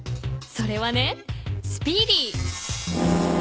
それはねスピーディー。